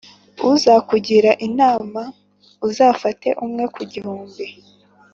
uzakugira inama, uzafate umwe ku gihumbi